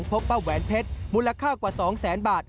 พบป้าแหวนเพชรมูลค่ากว่า๒แสนบาท